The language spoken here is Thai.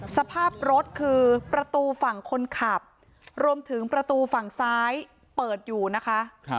สภาพรถคือประตูฝั่งคนขับรวมถึงประตูฝั่งซ้ายเปิดอยู่นะคะ